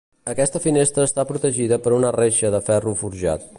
Aquesta finestra està protegida per una reixa de ferro forjat.